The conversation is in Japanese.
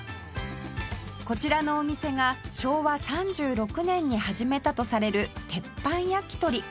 こちらのお店が昭和３６年に始めたとされる鉄板焼き鳥